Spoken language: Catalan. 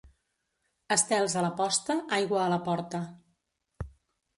Estels a la posta, aigua a la porta.